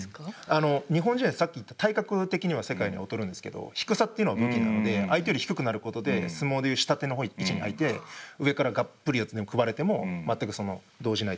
あの日本人はさっき言った体格的には世界に劣るんですけど低さっていうのは武器なので相手より低くなることで相撲で言う下手の位置に入って上からがっぷり四つに組まれても全く動じないというか。